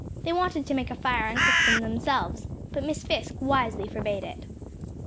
They wanted to make a fire and cook them themselves, but Miss Fisk wisely forbade it.